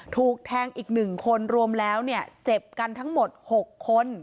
ถูกแทงอีกหนึ่งคนรวมแล้วเนี่ยเจ็บกันทั้งหมดหกคน